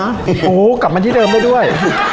โอ้โหกลับมาที่เดิมได้ด้วย